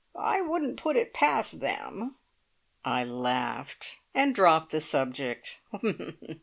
"I wouldn't put it past them!" I laughed, and dropped the subject.